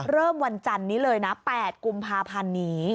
เริ่มวันจันทร์นี้เลยนะ๘กุมภาพันธุ์นี้